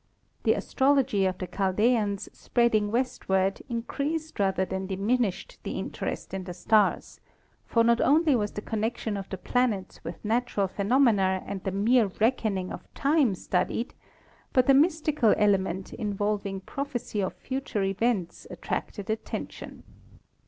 The astrology of the Chaldeans spreading westward increased rather than di minished the interest in the stars, for not only was the connection of the planets with natural phenomena and the mere reckoning of time studied, but the mystical element involving prophecy of future events attracted attention.